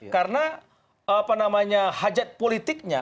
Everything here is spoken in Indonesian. karena hajat politiknya